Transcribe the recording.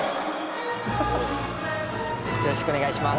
よろしくお願いします。